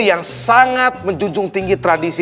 yang sangat menjunjung tinggi tradisi